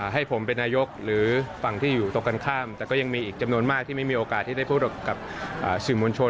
ให้ผมเป็นนายกหรือฝั่งที่อยู่ตรงกันข้ามแต่ก็ยังมีอีกจำนวนมากที่ไม่มีโอกาสที่ได้พูดกับสื่อมวลชน